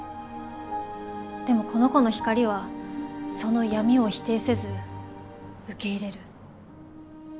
でもこの子の光はその闇を否定せず受け入れる。